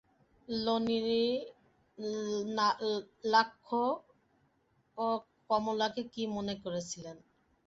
নলিনাক্ষ কমলাকে কী মনে করিতেছে?